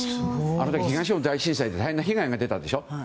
あの時、東日本大震災で大変な被害が出たでしょ。